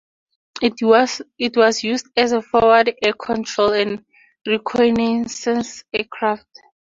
It was used as a forward air control and reconnaissance aircraft.